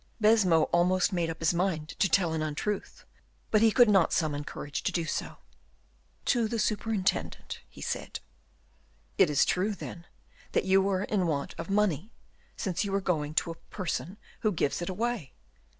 Baisemeaux almost made up his mind to tell an untruth, but he could not summon courage to do so. "To the superintendent," he said. "It is true, then, that you were in want of money, since you were going to a person who gives it away!"